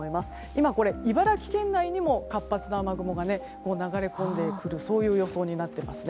今、茨城県内にも活発な雨雲が流れ込んでくる予想になっていますね。